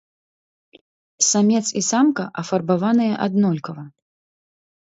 Самец і самка афарбаваныя аднолькава.